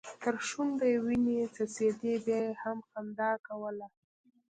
تر شونډو يې وينې څڅيدې بيا يې هم خندا کوله.